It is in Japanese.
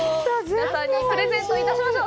皆さんにプレゼントしましょう。